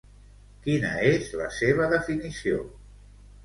Quina és la seva definició?